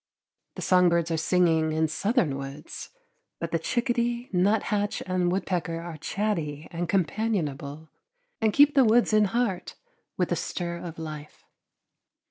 The song birds are singing in southern woods, but chickadee, nuthatch, and woodpecker are chatty and companionable and keep the woods in heart with a stir of life.